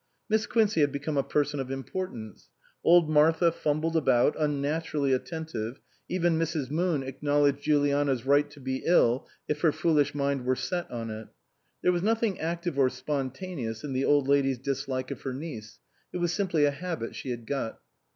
Miss Quincey had become a person of import ance. Old Martha fumbled about, unnaturally attentive, even Mrs. Moon acknowledged Juli ana's right to be ill if her foolish mind were set on it. There was nothing active or spontaneous in the Old Lady's dislike of her niece, it was simply a habit she had got.